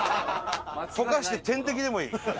溶かして点滴でもいい。